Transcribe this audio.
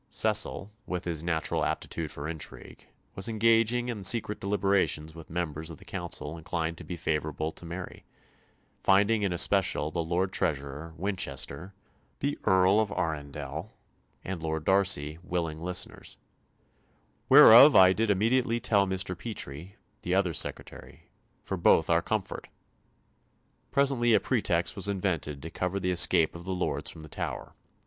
Cecil, with his natural aptitude for intrigue, was engaging in secret deliberations with members of the Council inclined to be favourable to Mary, finding in especial the Lord Treasurer, Winchester, the Earl of Arundel, and Lord Darcy, willing listeners, "whereof I did immediately tell Mr. Petre" the other Secretary "for both our comfort." Presently a pretext was invented to cover the escape of the lords from the Tower.